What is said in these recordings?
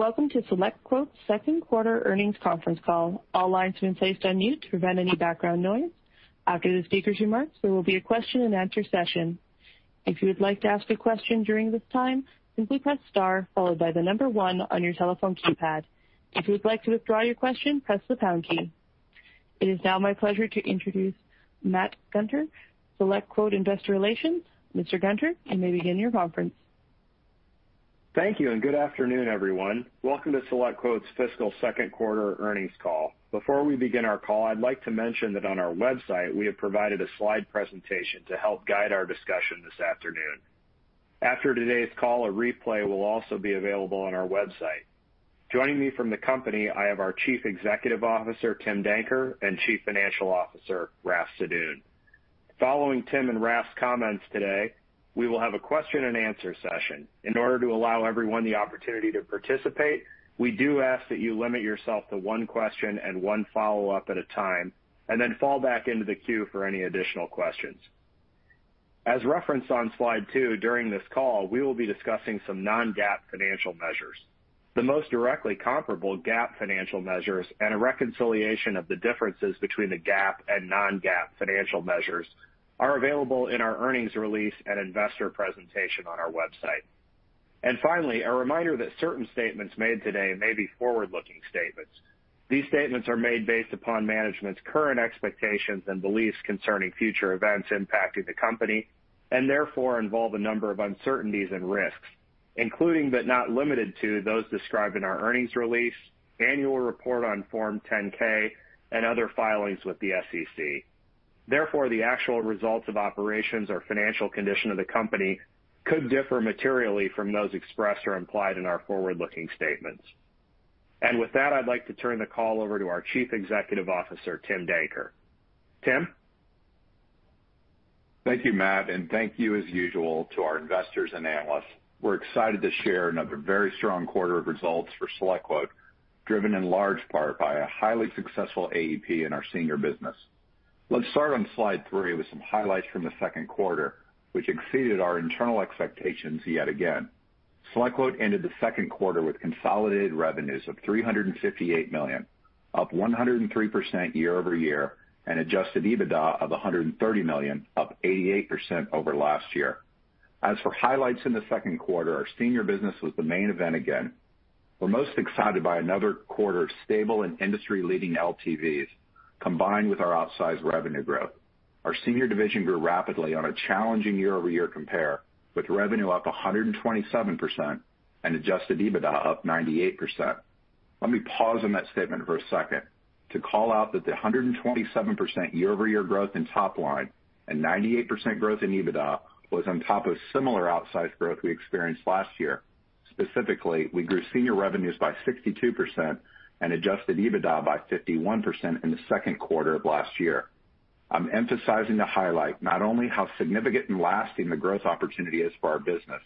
Welcome to SelectQuote's second quarter earnings conference call. All lines have been placed on mute to prevent any background noise. After the speakers' remarks, there will be a question-and-answer session. If you would like to ask a question during this time, simply press star followed by the number one on your telephone keypad. If you would like to withdraw your question, press the pound key. It is now my pleasure to introduce Matt Gunter, SelectQuote Investor Relations. Mr. Gunter, you may begin your conference. Thank you, good afternoon, everyone. Welcome to SelectQuote's fiscal second quarter earnings call. Before we begin our call, I'd like to mention that on our website, we have provided a slide presentation to help guide our discussion this afternoon. After today's call, a replay will also be available on our website. Joining me from the company I have our Chief Executive Officer, Tim Danker, and Chief Financial Officer, Raff Sadun. Following Tim and Raff's comments today, we will have a question-and-answer session. In order to allow everyone the opportunity to participate, we do ask that you limit yourself to one question and one follow-up at a time, then fall back into the queue for any additional questions. As referenced on Slide two, during this call, we will be discussing some non-GAAP financial measures. The most directly comparable GAAP financial measures, and a reconciliation of the differences between the GAAP and non-GAAP financial measures are available in our earnings release and investor presentation on our website. Finally, a reminder that certain statements made today may be forward-looking statements. These statements are made based upon management's current expectations and beliefs concerning future events impacting the company, and therefore, involve a number of uncertainties and risks, including, but not limited to, those described in our earnings release, annual report on Form 10-K, and other filings with the SEC. Therefore, the actual results of operations or financial condition of the company could differ materially from those expressed or implied in our forward-looking statements. With that, I'd like to turn the call over to our Chief Executive Officer, Tim Danker. Tim? Thank you, Matt, and thank you as usual to our investors and analysts. We're excited to share another very strong quarter of results for SelectQuote, driven in large part by a highly successful AEP in our senior business. Let's start on Slide three with some highlights from the second quarter, which exceeded our internal expectations yet again. SelectQuote ended the second quarter with consolidated revenues of $358 million, up 103% year-over-year, and adjusted EBITDA of $130 million, up 88% over last year. As for highlights in the second quarter, our senior business was the main event again. We're most excited by another quarter of stable and industry-leading LTVs, combined with our outsized revenue growth. Our senior division grew rapidly on a challenging year-over-year compare, with revenue up 127% and adjusted EBITDA up 98%. Let me pause on that statement for a second to call out that the 127% year-over-year growth in top line and 98% growth in EBITDA was on top of similar outsized growth we experienced last year. Specifically, we grew senior revenues by 62% and adjusted EBITDA by 51% in the second quarter of last year. I'm emphasizing to highlight not only how significant and lasting the growth opportunity is for our business,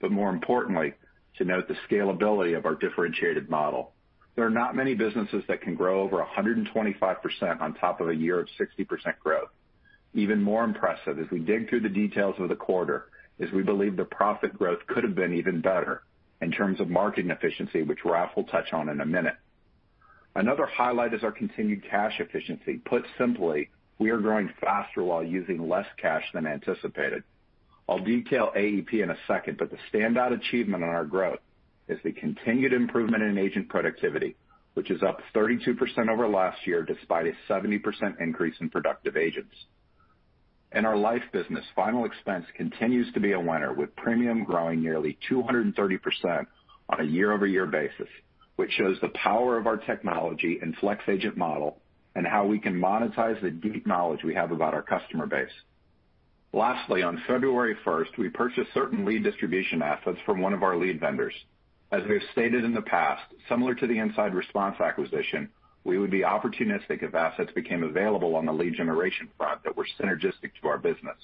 but more importantly, to note the scalability of our differentiated model. There are not many businesses that can grow over 125% on top of a year of 60% growth. Even more impressive, as we dig through the details of the quarter, is we believe the profit growth could have been even better in terms of marketing efficiency, which Raff will touch on in a minute. Another highlight is our continued cash efficiency. Put simply, we are growing faster while using less cash than anticipated. I'll detail AEP in a second, but the standout achievement in our growth is the continued improvement in agent productivity, which is up 32% over last year, despite a 70% increase in productive agents. In our life business, final expense continues to be a winner, with premium growing nearly 230% on a year-over-year basis, which shows the power of our technology and flex agent model and how we can monetize the deep knowledge we have about our customer base. Lastly, on February 1st, we purchased certain lead distribution assets from one of our lead vendors. As we have stated in the past, similar to the InsideResponse acquisition, we would be opportunistic if assets became available on the lead generation front that were synergistic to our business.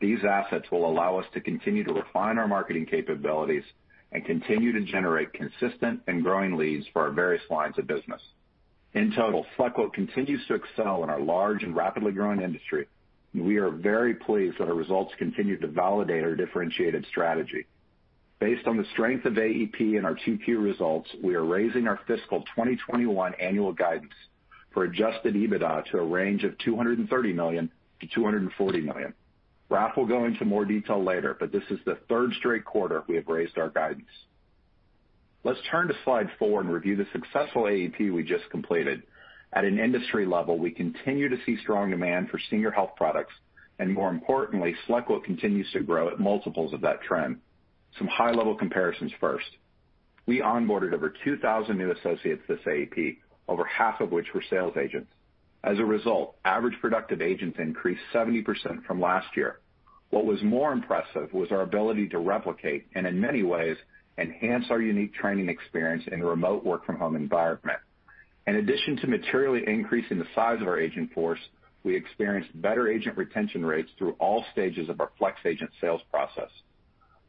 These assets will allow us to continue to refine our marketing capabilities and continue to generate consistent and growing leads for our various lines of business. In total, SelectQuote continues to excel in our large and rapidly growing industry, and we are very pleased that our results continue to validate our differentiated strategy. Based on the strength of AEP and our 2Q results, we are raising our fiscal 2021 annual guidance for adjusted EBITDA to a range of $230 million-$240 million. Raff will go into more detail later. This is the third straight quarter we have raised our guidance. Let's turn to Slide four and review the successful AEP we just completed. At an industry level, we continue to see strong demand for senior health products. More importantly, SelectQuote continues to grow at multiples of that trend. Some high-level comparisons first. We onboarded over 2,000 new associates this AEP, over half of which were sales agents. As a result, average productive agents increased 70% from last year. What was more impressive was our ability to replicate and in many ways, enhance our unique training experience in a remote work-from-home environment. In addition to materially increasing the size of our agent force, we experienced better agent retention rates through all stages of our flex agent sales process.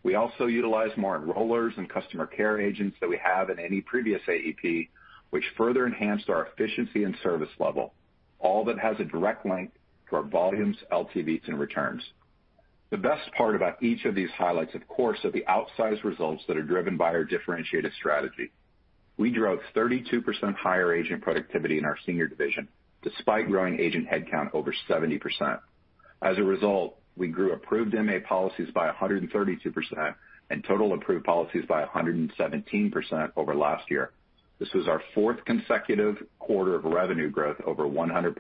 We also utilized more enrollers and customer care agents than we have in any previous AEP, which further enhanced our efficiency and service level. All that has a direct link to our volumes, LTVs, and returns. The best part about each of these highlights, of course, is the outsized results that are driven by our differentiated strategy. We drove 32% higher agent productivity in our Senior Division, despite growing agent headcount over 70%. As a result, we grew approved MA policies by 132% and total approved policies by 117% over last year. This was our fourth consecutive quarter of revenue growth over 100%.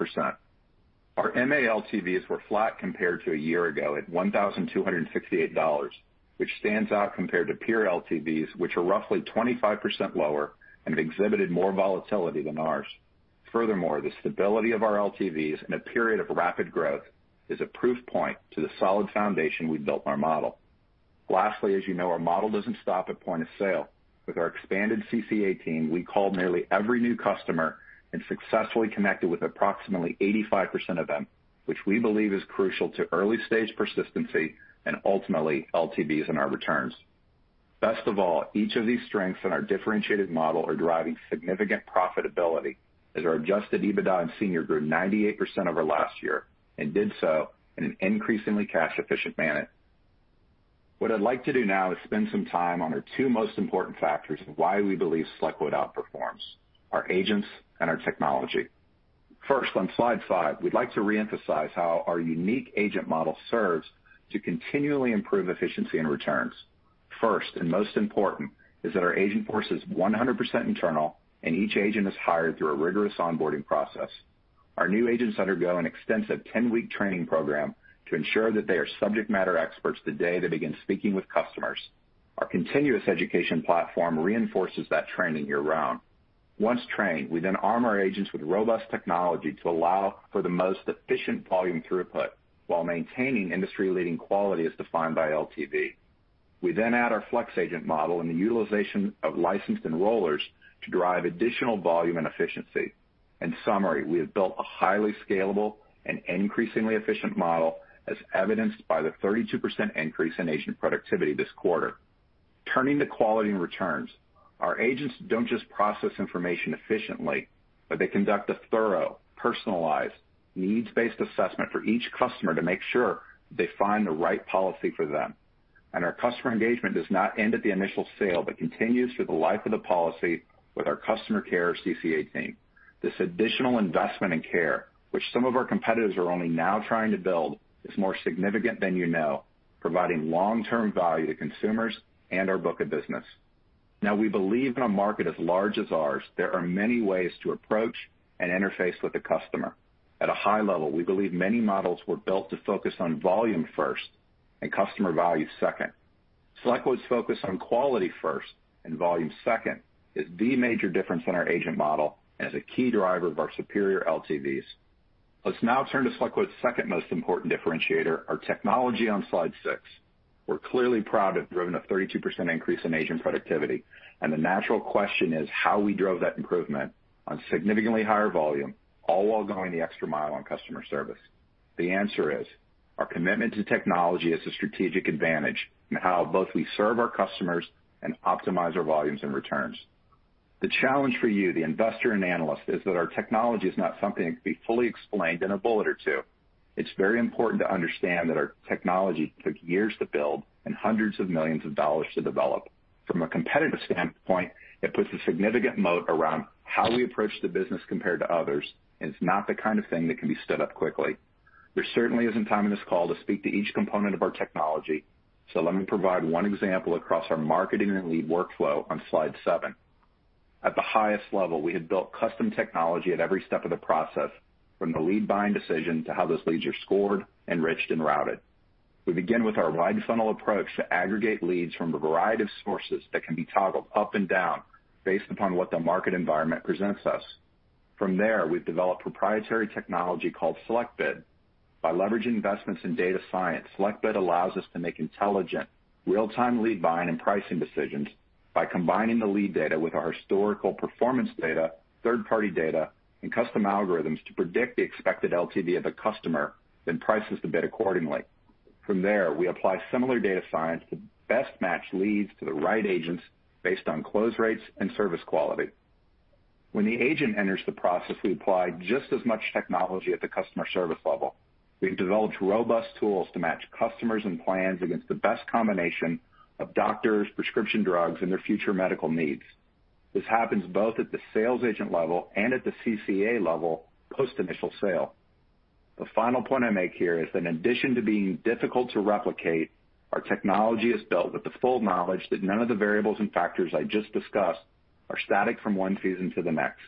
Our MA LTVs were flat compared to a year ago at $1,268, which stands out compared to peer LTVs, which are roughly 25% lower and have exhibited more volatility than ours. Furthermore, the stability of our LTVs in a period of rapid growth is a proof point to the solid foundation we've built our model. Lastly, as you know, our model doesn't stop at point of sale. With our expanded CCA team, we called nearly every new customer and successfully connected with approximately 85% of them, which we believe is crucial to early-stage persistency and ultimately LTVs and our returns. Best of all, each of these strengths in our differentiated model are driving significant profitability as our adjusted EBITDA in Senior grew 98% over last year and did so in an increasingly cash-efficient manner. What I'd like to do now is spend some time on our two most important factors of why we believe SelectQuote outperforms: our agents and our technology. First, on Slide five, we'd like to reemphasize how our unique agent model serves to continually improve efficiency and returns. First, and most important, is that our agent force is 100% internal, and each agent is hired through a rigorous onboarding process. Our new agents undergo an extensive 10-week training program to ensure that they are subject matter experts the day they begin speaking with customers. Our continuous education platform reinforces that training year-round. Once trained, we then arm our agents with robust technology to allow for the most efficient volume throughput while maintaining industry-leading quality as defined by LTV. We then add our flex agent model and the utilization of licensed enrollers to drive additional volume and efficiency. In summary, we have built a highly scalable and increasingly efficient model, as evidenced by the 32% increase in agent productivity this quarter. Turning to quality and returns, our agents don't just process information efficiently, but they conduct a thorough, personalized, needs-based assessment for each customer to make sure they find the right policy for them. Our customer engagement does not end at the initial sale but continues for the life of the policy with our customer care CCA team. This additional investment in care, which some of our competitors are only now trying to build, is more significant than you know, providing long-term value to consumers and our book of business. Now, we believe in a market as large as ours, there are many ways to approach and interface with the customer. At a high level, we believe many models were built to focus on volume first and customer value second. SelectQuote's focus on quality first and volume second is the major difference in our agent model as a key driver of our superior LTVs. Let's now turn to SelectQuote's second most important differentiator, our technology on Slide six. We're clearly proud to have driven a 32% increase in agent productivity, and the natural question is how we drove that improvement on significantly higher volume, all while going the extra mile on customer service. The answer is our commitment to technology as a strategic advantage in how both we serve our customers and optimize our volumes and returns. The challenge for you, the investor and analyst, is that our technology is not something that can be fully explained in a bullet or two. It's very important to understand that our technology took years to build and hundreds of millions of dollars to develop. From a competitive standpoint, it puts a significant moat around how we approach the business compared to others, and it's not the kind of thing that can be stood up quickly. There certainly isn't time in this call to speak to each component of our technology, so let me provide one example across our marketing and lead workflow on Slide seven. At the highest level, we have built custom technology at every step of the process, from the lead buying decision to how those leads are scored, enriched, and routed. We begin with our wide funnel approach to aggregate leads from a variety of sources that can be toggled up and down based upon what the market environment presents us. From there, we've developed proprietary technology called SelectBid. By leveraging investments in data science, SelectBid allows us to make intelligent, real-time lead buying and pricing decisions by combining the lead data with our historical performance data, third-party data, and custom algorithms to predict the expected LTV of the customer, then price the bid accordingly. From there, we apply similar data science to best match leads to the right agents based on close rates and service quality. When the agent enters the process, we apply just as much technology at the customer service level. We've developed robust tools to match customers and plans against the best combination of doctors, prescription drugs, and their future medical needs. This happens both at the sales agent level and at the CCA level post initial sale. The final point I make here is that in addition to being difficult to replicate, our technology is built with the full knowledge that none of the variables and factors I just discussed are static from one season to the next.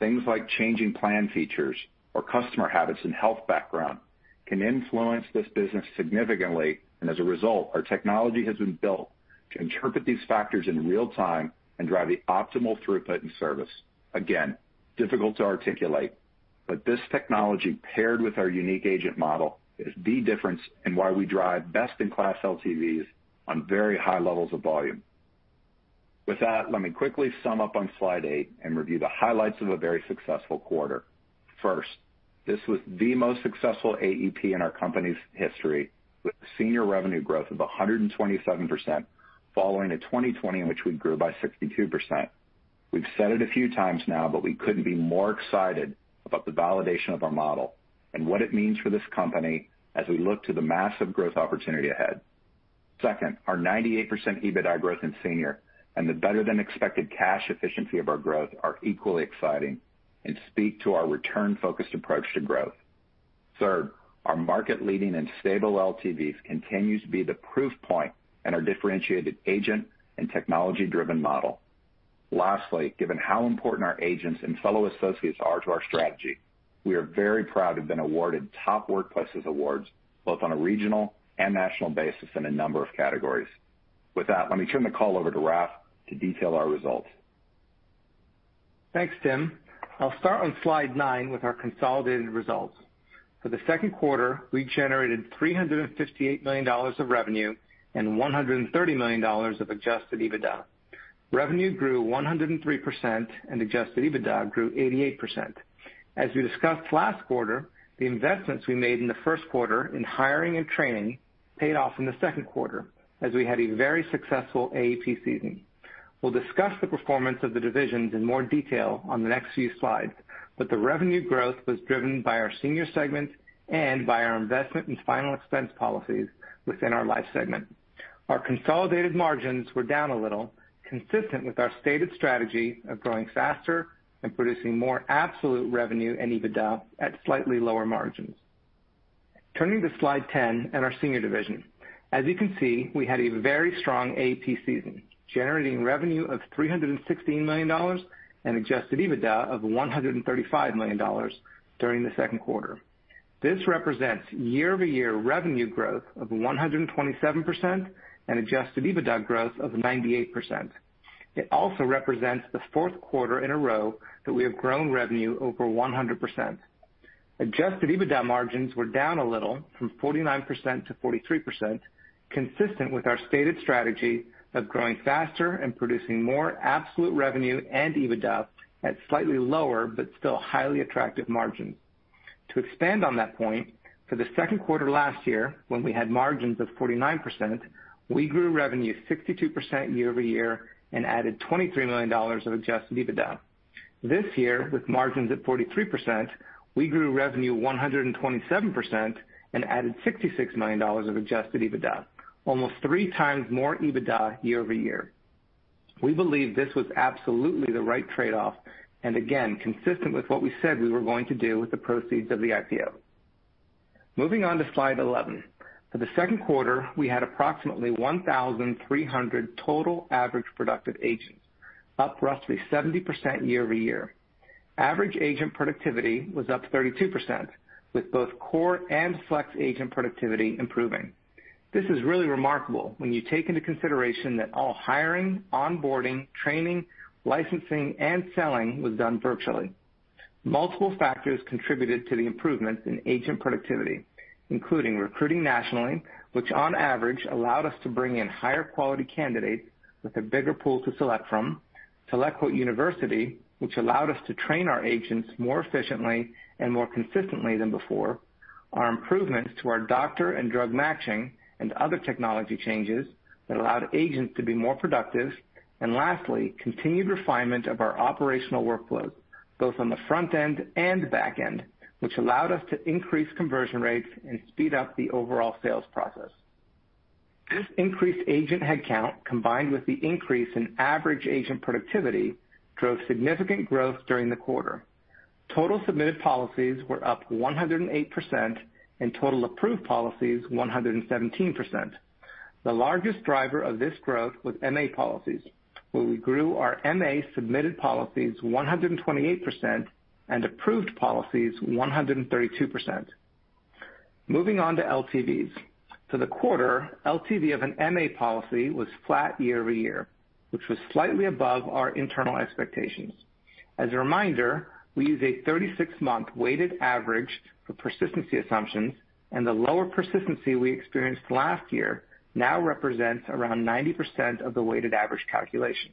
Things like changing plan features or customer habits and health background can influence this business significantly, and as a result, our technology has been built to interpret these factors in real time and drive the optimal throughput and service. Difficult to articulate, but this technology, paired with our unique agent model, is the difference in why we drive best-in-class LTVs on very high levels of volume. Let me quickly sum up on Slide eight and review the highlights of a very successful quarter. This was the most successful AEP in our company's history, with Senior revenue growth of 127% following a 2020 in which we grew by 62%. We've said it a few times now, we couldn't be more excited about the validation of our model and what it means for this company as we look to the massive growth opportunity ahead. Our 98% EBITDA growth in Senior and the better-than-expected cash efficiency of our growth are equally exciting and speak to our return-focused approach to growth. Third, our market-leading and stable LTVs continue to be the proof point in our differentiated agent and technology-driven model. Lastly, given how important our agents and fellow associates are to our strategy, we are very proud to have been awarded Top Workplaces awards both on a regional and national basis in a number of categories. With that, let me turn the call over to Raff to detail our results. Thanks, Tim. I'll start on Slide nine with our consolidated results. For the second quarter, we generated $358 million of revenue and $130 million of adjusted EBITDA. Revenue grew 103% and adjusted EBITDA grew 88%. As we discussed last quarter, the investments we made in the first quarter in hiring and training paid off in the second quarter as we had a very successful AEP season. We'll discuss the performance of the divisions in more detail on the next few slides. The revenue growth was driven by our Senior segments and by our investment in final expense policies within our Life segment. Our consolidated margins were down a little, consistent with our stated strategy of growing faster and producing more absolute revenue and EBITDA at slightly lower margins. Turning to Slide 10 and our senior division. As you can see, we had a very strong AEP season, generating revenue of $316 million and adjusted EBITDA of $135 million during the second quarter. This represents year-over-year revenue growth of 127% and adjusted EBITDA growth of 98%. It also represents the fourth quarter in a row that we have grown revenue over 100%. Adjusted EBITDA margins were down a little from 49% to 43%, consistent with our stated strategy of growing faster and producing more absolute revenue and EBITDA at slightly lower but still highly attractive margins. To expand on that point, for the second quarter last year, when we had margins of 49%, we grew revenue 62% year-over-year and added $23 million of adjusted EBITDA. This year, with margins at 43%, we grew revenue 127% and added $66 million of adjusted EBITDA, almost three times more EBITDA year-over-year. We believe this was absolutely the right trade-off, and again, consistent with what we said we were going to do with the proceeds of the IPO. Moving on to Slide 11. For the second quarter, we had approximately 1,300 total average productive agents, up roughly 70% year-over-year. Average agent productivity was up 32%, with both core and flex agent productivity improving. This is really remarkable when you take into consideration that all hiring, onboarding, training, licensing, and selling was done virtually. Multiple factors contributed to the improvements in agent productivity, including recruiting nationally, which on average allowed us to bring in higher-quality candidates with a bigger pool to select from. SelectQuote University, which allowed us to train our agents more efficiently and more consistently than before. Our improvements to our doctor and drug matching, and other technology changes that allowed agents to be more productive. Lastly, continued refinement of our operational workflow, both on the front end and back end, which allowed us to increase conversion rates and speed up the overall sales process. This increased agent headcount, combined with the increase in average agent productivity, drove significant growth during the quarter. Total submitted policies were up 108%, and total approved policies 117%. The largest driver of this growth was MA policies, where we grew our MA submitted policies 128% and approved policies 132%. Moving on to LTVs. For the quarter, LTV of an MA policy was flat year-over-year, which was slightly above our internal expectations. As a reminder, we use a 36-month weighted average for persistency assumptions, and the lower persistency we experienced last year now represents around 90% of the weighted average calculation.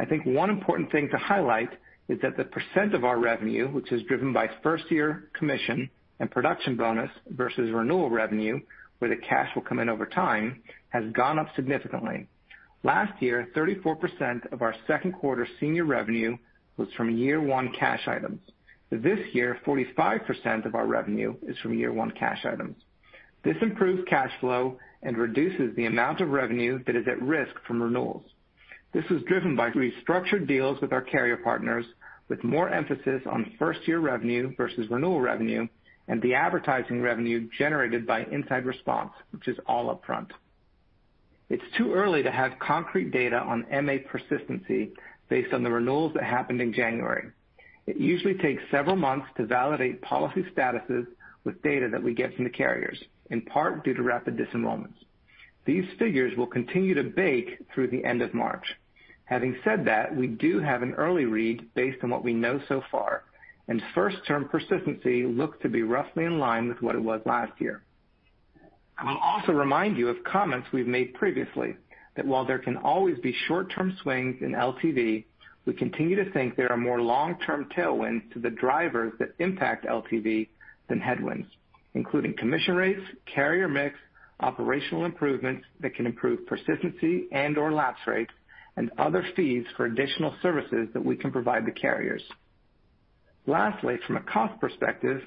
I think one important thing to highlight is that the percent of our revenue, which is driven by first-year commission and production bonus versus renewal revenue, where the cash will come in over time, has gone up significantly. Last year, 34% of our second-quarter Senior revenue was from year-one cash items. This year, 45% of our revenue is from year-one cash items. This improves cash flow and reduces the amount of revenue that is at risk from renewals. This was driven by restructured deals with our carrier partners, with more emphasis on first-year revenue versus renewal revenue and the advertising revenue generated by InsideResponse, which is all upfront. It's too early to have concrete data on MA persistency based on the renewals that happened in January. It usually takes several months to validate policy statuses with data that we get from the carriers, in part due to rapid disenrollments. These figures will continue to bake through the end of March. Having said that, we do have an early read based on what we know so far, and first-term persistency looks to be roughly in line with what it was last year. I will also remind you of comments we've made previously that while there can always be short-term swings in LTV, we continue to think there are more long-term tailwinds to the drivers that impact LTV than headwinds, including commission rates, carrier mix, operational improvements that can improve persistency and/or lapse rates, and other fees for additional services that we can provide the carriers. Lastly, from a cost perspective,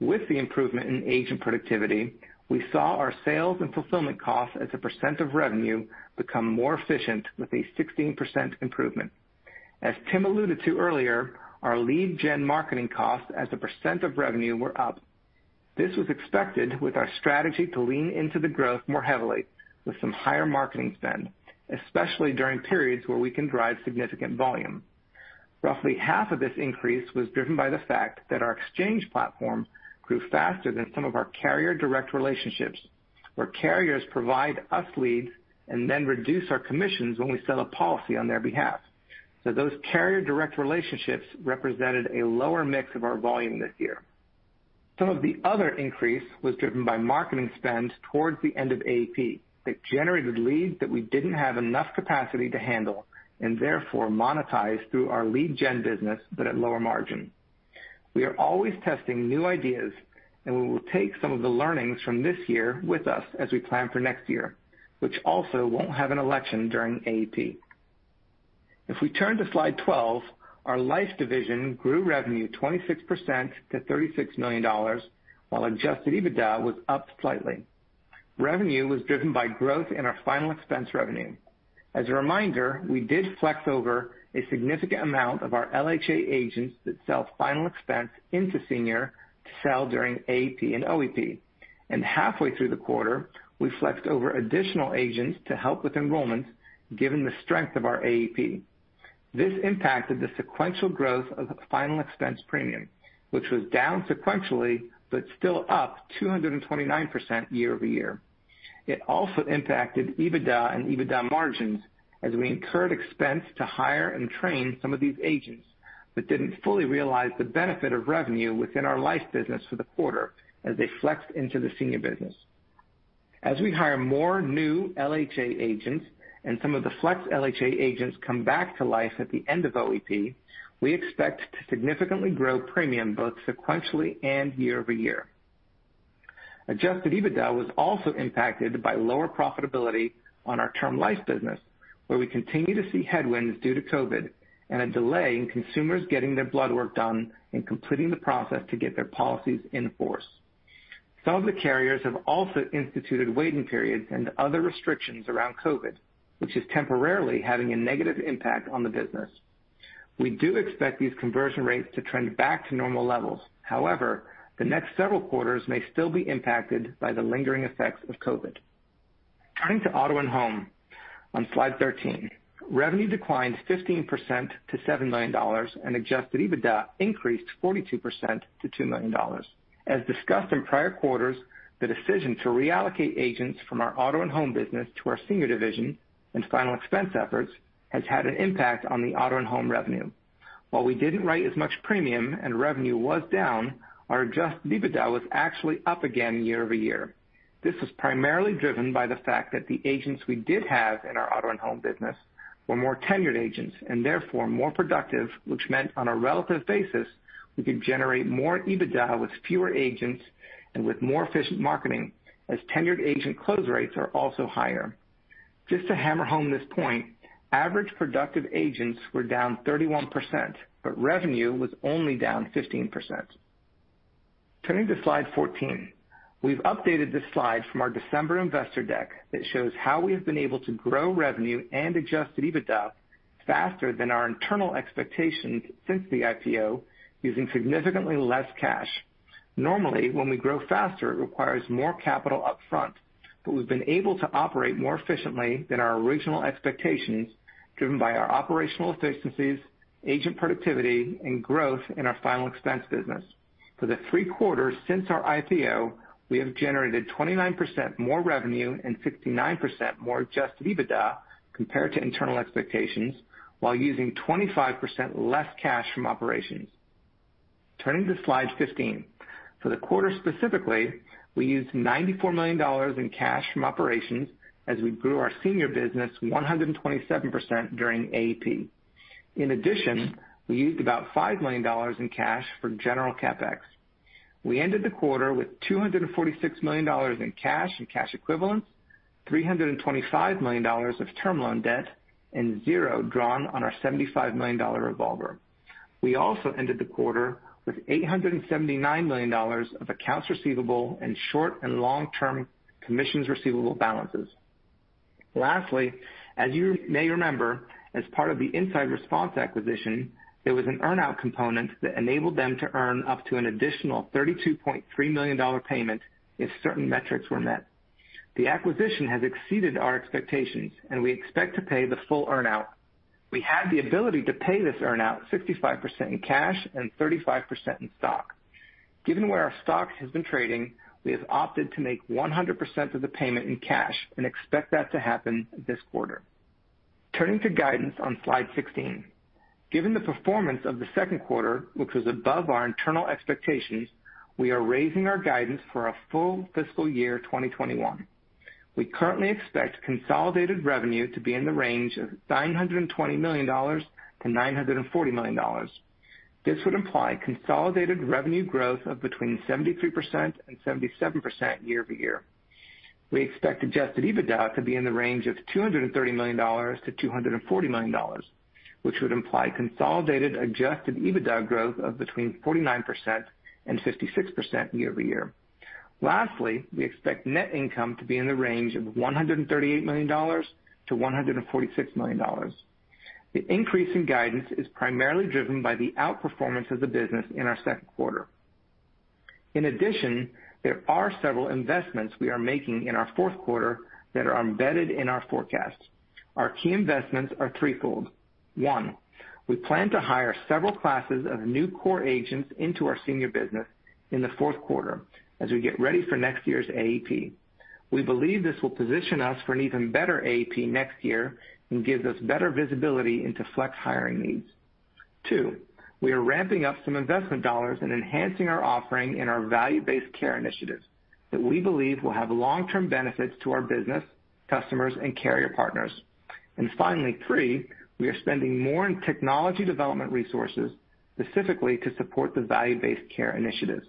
with the improvement in agent productivity, we saw our sales and fulfillment costs as a percent of revenue become more efficient with a 16% improvement. As Tim alluded to earlier, our lead gen marketing costs as a percent of revenue were up. This was expected with our strategy to lean into the growth more heavily with some higher marketing spend, especially during periods where we can drive significant volume. Roughly half of this increase was driven by the fact that our exchange platform grew faster than some of our carrier direct relationships, where carriers provide us leads and then reduce our commissions when we sell a policy on their behalf. Those carrier direct relationships represented a lower mix of our volume this year. Some of the other increase was driven by marketing spend towards the end of AEP that generated leads that we didn't have enough capacity to handle, and therefore monetize through our lead gen business, but at lower margin. We are always testing new ideas, and we will take some of the learnings from this year with us as we plan for next year, which also won't have an election during AEP. If we turn to Slide 12, our Life division grew revenue 26% to $36 million, while adjusted EBITDA was up slightly. Revenue was driven by growth in our final expense revenue. As a reminder, we did flex over a significant amount of our LHA agents that sell final expense into senior to sell during AEP and OEP. Halfway through the quarter, we flexed over additional agents to help with enrollment, given the strength of our AEP. This impacted the sequential growth of final expense premium, which was down sequentially, but still up 229% year-over-year. It also impacted EBITDA and EBITDA margins as we incurred expense to hire and train some of these agents, but didn't fully realize the benefit of revenue within our Life business for the quarter as they flexed into the Senior business. As we hire more new LHA agents and some of the flex LHA agents come back to life at the end of OEP, we expect to significantly grow premium both sequentially and year-over-year. Adjusted EBITDA was also impacted by lower profitability on our term life business, where we continue to see headwinds due to COVID and a delay in consumers getting their blood work done and completing the process to get their policies in force. Some of the carriers have also instituted waiting periods and other restrictions around COVID, which is temporarily having a negative impact on the business. We do expect these conversion rates to trend back to normal levels. However, the next several quarters may still be impacted by the lingering effects of COVID. Turning to auto and home, on Slide 13, revenue declined 15% to $7 million, and adjusted EBITDA increased 42% to $2 million. As discussed in prior quarters, the decision to reallocate agents from our auto and home business to our senior division and final expense efforts has had an impact on the Auto & Home revenue. While we didn't write as much premium and revenue was down, our adjusted EBITDA was actually up again year-over-year. This was primarily driven by the fact that the agents we did have in our Auto & Home business were more tenured agents, and therefore more productive, which meant on a relative basis, we could generate more EBITDA with fewer agents and with more efficient marketing, as tenured agent close rates are also higher. Just to hammer home this point, average productive agents were down 31%, but revenue was only down 15%. Turning to Slide 14, we've updated this slide from our December investor deck that shows how we have been able to grow revenue and adjusted EBITDA faster than our internal expectations since the IPO, using significantly less cash. Normally, when we grow faster, it requires more capital upfront, but we've been able to operate more efficiently than our original expectations, driven by our operational efficiencies, agent productivity, and growth in our final expense business. For the three quarters since our IPO, we have generated 29% more revenue and 59% more adjusted EBITDA compared to internal expectations while using 25% less cash from operations. Turning to Slide 15. For the quarter specifically, we used $94 million in cash from operations as we grew our senior business 127% during AEP. In addition, we used about $5 million in cash for general CapEx. We ended the quarter with $246 million in cash and cash equivalents, $325 million of term loan debt, and zero drawn on our $75 million revolver. We also ended the quarter with $879 million of accounts receivable and short and long-term commissions receivable balances. Lastly, as you may remember, as part of the InsideResponse acquisition, there was an earn-out component that enabled them to earn up to an additional $32.3 million payment if certain metrics were met. The acquisition has exceeded our expectations, and we expect to pay the full earn-out. We had the ability to pay this earn-out 65% in cash and 35% in stock. Given where our stock has been trading, we have opted to make 100% of the payment in cash and expect that to happen this quarter. Turning to guidance on Slide 16. Given the performance of the second quarter, which was above our internal expectations, we are raising our guidance for a full fiscal year 2021. We currently expect consolidated revenue to be in the range of $920 million-$940 million. This would imply consolidated revenue growth of between 73% and 77% year-over-year. We expect adjusted EBITDA to be in the range of $230 million-$240 million, which would imply consolidated adjusted EBITDA growth of between 49% and 56% year-over-year. Lastly, we expect net income to be in the range of $138 million-$146 million. The increase in guidance is primarily driven by the outperformance of the business in our second quarter. In addition, there are several investments we are making in our fourth quarter that are embedded in our forecast. Our key investments are threefold. One, we plan to hire several classes of new core agents into our senior business in the fourth quarter as we get ready for next year's AEP. We believe this will position us for an even better AEP next year and give us better visibility into flex hiring needs. Two, we are ramping up some investment dollars and enhancing our offering in our value-based care initiatives that we believe will have long-term benefits to our business, customers, and carrier partners. Finally, three, we are spending more in technology development resources specifically to support the value-based care initiatives.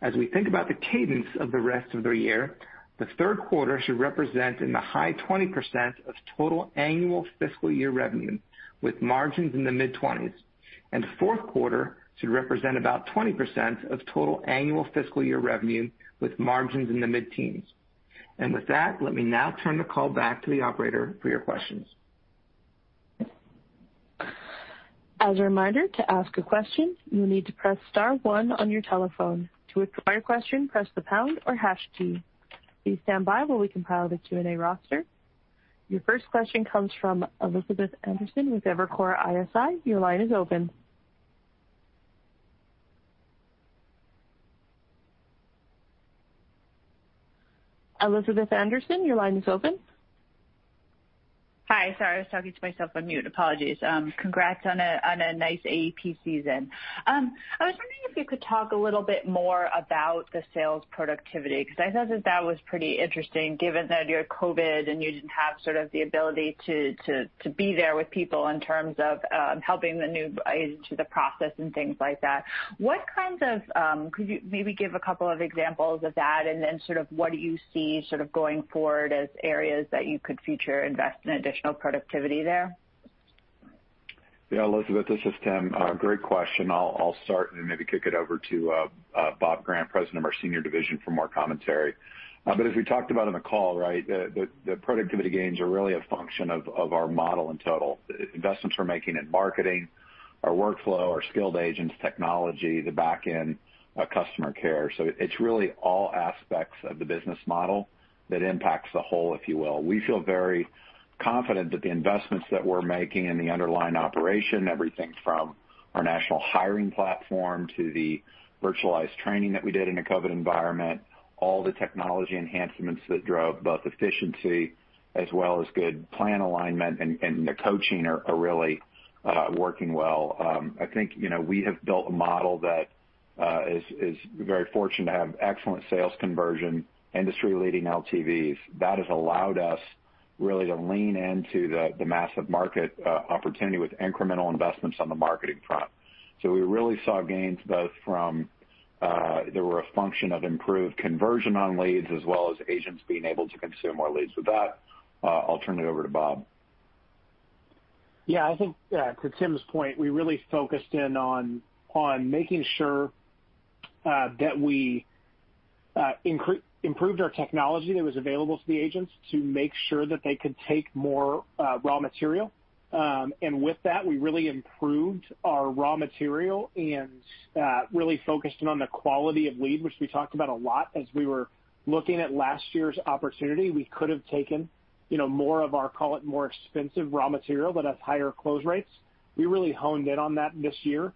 As we think about the cadence of the rest of the year, the third quarter should represent in the high 20% of total annual fiscal year revenue, with margins in the mid-20s, and fourth quarter should represent about 20% of total annual fiscal year revenue, with margins in the mid-teens. With that, let me now turn the call back to the operator for your questions. As a reminder, to ask a question, you need to press star one on your telephone. To ask a question, press the pound or hash key. Your first question comes from Elizabeth Anderson with Evercore ISI. Your line is open. Elizabeth Anderson, your line is open. Hi. Sorry, I was talking to myself on mute. Apologies. Congrats on a nice AEP season. I was wondering if you could talk a little bit more about the sales productivity, because I thought that that was pretty interesting given that you're COVID and you didn't have sort of the ability to be there with people in terms of helping the new agents through the process and things like that. Could you maybe give a couple of examples of that, and then sort of what do you see sort of going forward as areas that you could future invest in additional productivity there? Yeah, Elizabeth, this is Tim. Great question. I'll start and maybe kick it over to Bob Grant, President of our Senior Division, for more commentary. As we talked about on the call, right, the productivity gains are really a function of our model in total. Investments we're making in marketing, our workflow, our skilled agents, technology, the back end, customer care. It's really all aspects of the business model that impacts the whole, if you will. We feel very confident that the investments that we're making in the underlying operation, everything from our national hiring platform to the virtualized training that we did in a COVID environment, all the technology enhancements that drove both efficiency as well as good plan alignment and the coaching are really working well. I think we have built a model that is very fortunate to have excellent sales conversion, industry-leading LTVs. That has allowed us really to lean into the massive market opportunity with incremental investments on the marketing front. We really saw gains, they were a function of improved conversion on leads as well as agents being able to consume more leads. With that, I'll turn it over to Bob. Yeah, I think to Tim's point, we really focused in on making sure that we improved our technology that was available to the agents to make sure that they could take more raw material. With that, we really improved our raw material and really focused in on the quality of lead, which we talked about a lot as we were looking at last year's opportunity. We could have taken more of our, call it more expensive raw material, but has higher close rates. We really honed in on that this year,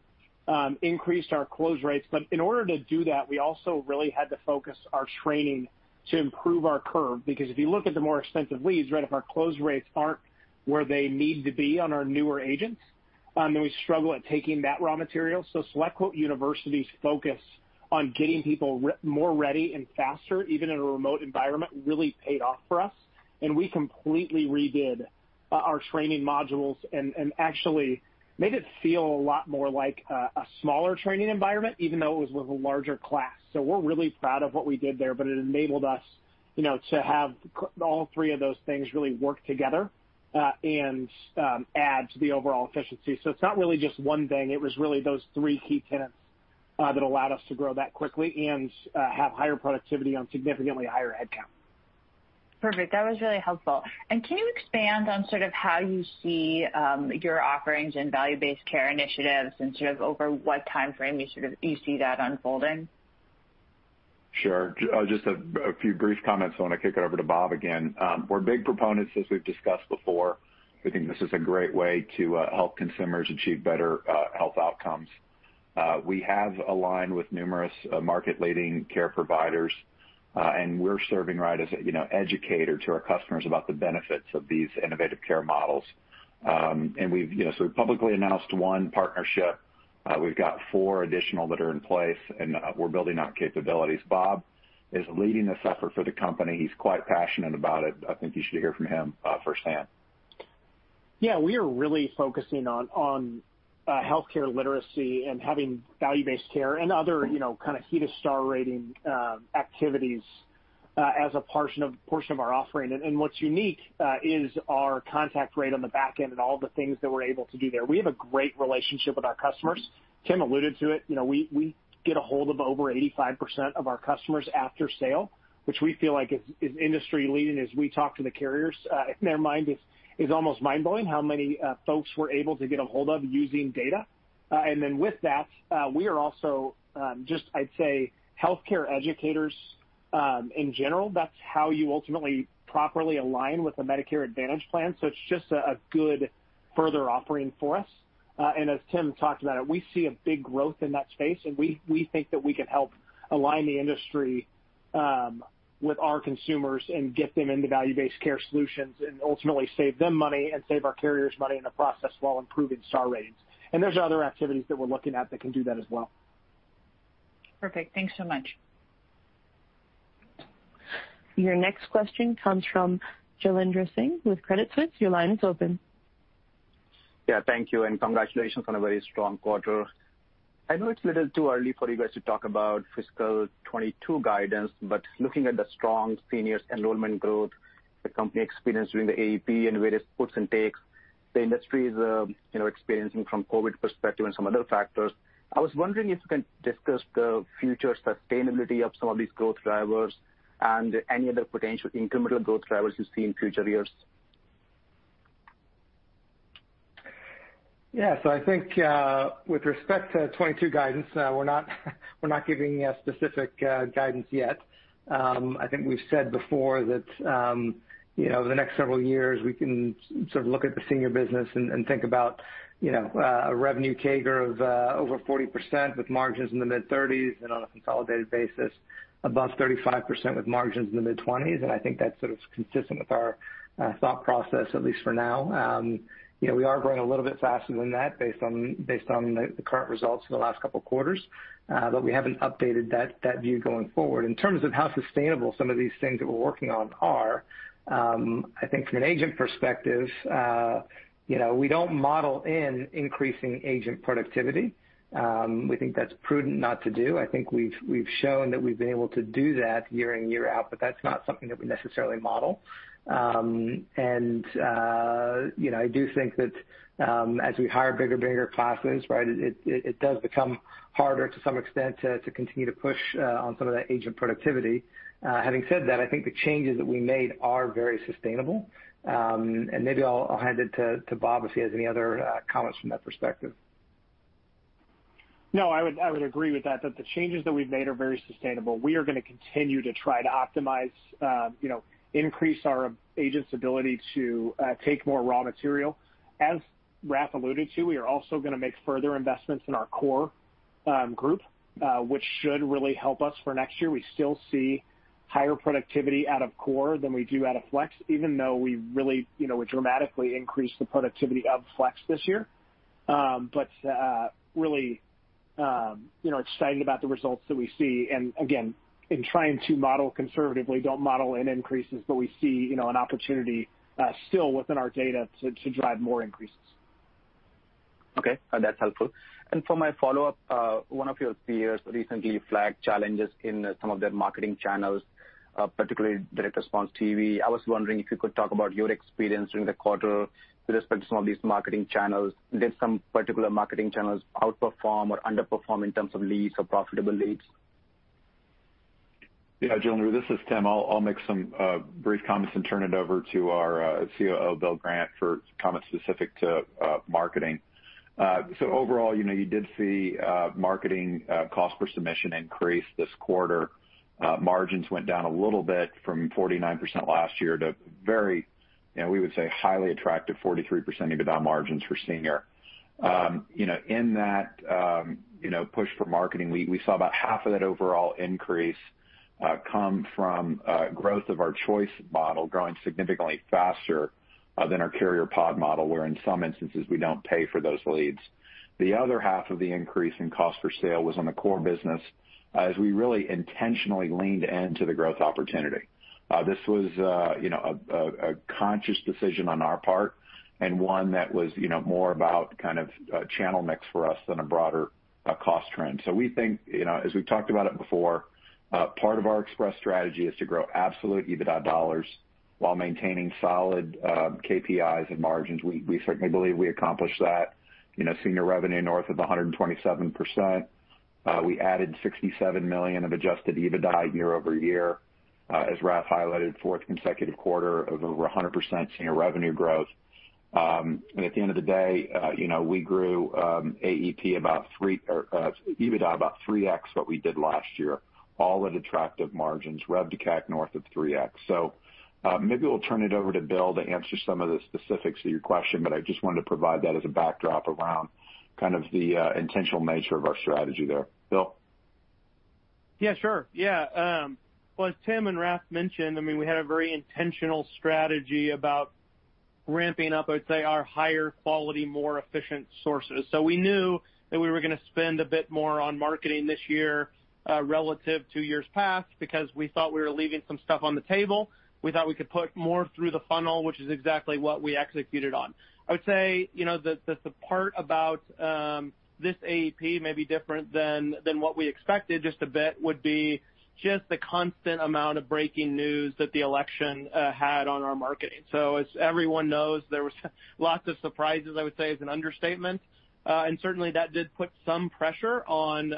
increased our close rates. In order to do that, we also really had to focus our training to improve our curve because if you look at the more expensive leads, right, if our close rates aren't where they need to be on our newer agents, then we struggle at taking that raw material. SelectQuote University's focus on getting people more ready and faster, even in a remote environment, really paid off for us, and we completely redid our training modules and actually made it feel a lot more like a smaller training environment, even though it was with a larger class. We're really proud of what we did there, but it enabled us to have all three of those things really work together and add to the overall efficiency. It's not really just one thing, it was really those three key tenets that allowed us to grow that quickly and have higher productivity on a significantly higher headcount. Perfect. That was really helpful. Can you expand on sort of how you see your offerings and value-based care initiatives and sort of over what time frame you see that unfolding? Sure. Just a few brief comments, I want to kick it over to Bob again. We're big proponents, as we've discussed before. We think this is a great way to help consumers achieve better health outcomes. We have aligned with numerous market-leading care providers, and we're serving, right, as educator to our customers about the benefits of these innovative care models. We've publicly announced one partnership. We've got four additional that are in place, and we're building out capabilities. Bob is leading this effort for the company. He's quite passionate about it. I think you should hear from him firsthand. Yeah, we are really focusing on healthcare literacy and having value-based care and other kind of HEDIS or star rating activities as a portion of our offering. What's unique is our contact rate on the back end and all the things that we're able to do there. We have a great relationship with our customers. Tim alluded to it. We get a hold of over 85% of our customers after sale, which we feel like is industry-leading as we talk to the carriers. In their mind, it's almost mind-blowing how many folks we're able to get a hold of using data. With that, we are also just, I'd say, healthcare educators in general. That's how you ultimately properly align with a Medicare Advantage plan. It's just a good further offering for us. As Tim talked about it, we see a big growth in that space, and we think that we can help align the industry with our consumers and get them into value-based care solutions and ultimately save them money and save our carriers money in the process while improving star ratings. There's other activities that we're looking at that can do that as well. Perfect. Thanks so much. Your next question comes from Jailendra Singh with Credit Suisse. Your line is open. Yeah, thank you, and congratulations on a very strong quarter. I know it's a little too early for you guys to talk about fiscal 2022 guidance, but looking at the strong seniors enrollment growth the company experienced during the AEP and various puts and takes, the industry is experiencing from COVID perspective and some other factors, I was wondering if you can discuss the future sustainability of some of these growth drivers and any other potential incremental growth drivers you see in future years. Yeah. I think, with respect to 2022 guidance, we're not giving specific guidance yet. I think we've said before that the next several years, we can sort of look at the senior business and think about a revenue CAGR of over 40% with margins in the mid-30s and on a consolidated basis above 35% with margins in the mid-20s. I think that's sort of consistent with our thought process, at least for now. We are growing a little bit faster than that based on the current results for the last couple of quarters, but we haven't updated that view going forward. In terms of how sustainable some of these things that we're working on are, I think from an agent perspective, we don't model in increasing agent productivity. We think that's prudent not to do. I think we've shown that we've been able to do that year in, year out, but that's not something that we necessarily model. I do think that as we hire bigger classes, it does become harder to some extent to continue to push on some of that agent productivity. Having said that, I think the changes that we made are very sustainable. Maybe I'll hand it to Bob if he has any other comments from that perspective. No, I would agree with that the changes that we've made are very sustainable. We are going to continue to try to optimize, increase our agents' ability to take more raw material. As Raff alluded to, we are also going to make further investments in our core group, which should really help us for next year. We still see higher productivity out of core than we do out of flex, even though we dramatically increased the productivity of flex this year. Really excited about the results that we see. Again, in trying to model conservatively, don't model in increases, but we see an opportunity still within our data to drive more increases. Okay. That's helpful. For my follow-up, one of your peers recently flagged challenges in some of their marketing channels, particularly direct response TV. I was wondering if you could talk about your experience during the quarter with respect to some of these marketing channels. Did some particular marketing channels outperform or underperform in terms of leads or profitable leads? Yeah, Jailendra, this is Tim. I'll make some brief comments and turn it over to our COO, Bill Grant, for comments specific to marketing. Overall, you did see marketing cost per submission increase this quarter. Margins went down a little bit from 49% last year to very, we would say, highly attractive 43% EBITDA margins for Senior. In that push for marketing, we saw about half of that overall increase come from growth of our choice model growing significantly faster than our carrier pod model, where in some instances, we don't pay for those leads. The other half of the increase in cost per sale was on the core business as we really intentionally leaned into the growth opportunity. This was a conscious decision on our part and one that was more about kind of channel mix for us than a broader cost trend. We think, as we've talked about it before, part of our express strategy is to grow absolute EBITDA dollars while maintaining solid KPIs and margins. We certainly believe we accomplished that. Senior revenue north of 127%. We added $67 million of adjusted EBITDA year-over-year. As Raff highlighted, fourth consecutive quarter of over 100% senior revenue growth. At the end of the day, we grew AEP about three, or EBITDA about 3X what we did last year, all at attractive margins. Rev to CAC north of 3X. Maybe we'll turn it over to Bill to answer some of the specifics of your question, but I just wanted to provide that as a backdrop around kind of the intentional nature of our strategy there. Bill? Yeah, sure. Well, as Tim and Raff mentioned, we had a very intentional strategy about ramping up, I would say, our higher-quality, more efficient sources. We knew that we were going to spend a bit more on marketing this year relative to years past because we thought we were leaving some stuff on the table. We thought we could put more through the funnel, which is exactly what we executed on. I would say that the part about this AEP may be different than what we expected, just a bit would be just the constant amount of breaking news that the election had on our marketing. As everyone knows, there was lots of surprises, I would say is an understatement. Certainly, that did put some pressure on